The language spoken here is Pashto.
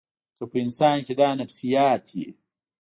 که په انسان کې دا نفسیات وي.